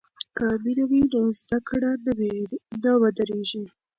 که مینه وي نو زده کړه نه ودریږي.